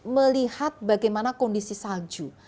melihat bagaimana kondisi salju